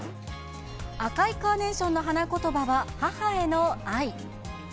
赤いカーネーションの花言葉は母への愛。